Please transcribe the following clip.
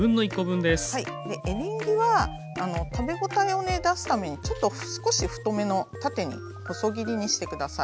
エリンギは食べ応えを出すためにちょっと少し太めの縦に細切りにして下さい。